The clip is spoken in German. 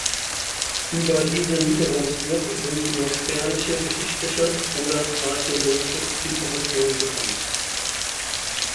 Über diese Niederungsburg sind nur spärliche geschichtliche oder archäologische Informationen bekannt.